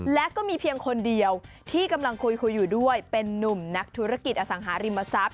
และก็มีเพียงคนเดียวที่กำลังคุยอยู่ด้วยเป็นนุ่มนักธุรกิจอสังหาริมทรัพย